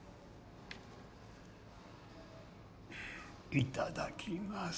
いただきます。